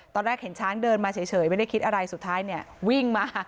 ตอนแรกเห็นช้างเดินมาเฉยไม่ได้คิดอะไรสุดท้ายเนี่ยวิ่งมา